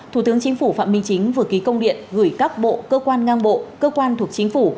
thủ tướng chính phủ phạm minh chính vừa ký công điện gửi các bộ cơ quan ngang bộ cơ quan thuộc chính phủ